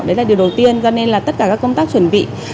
đấy là điều đầu tiên cho nên là tất cả các công tác chuẩn bị